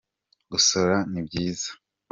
gusora nibyiza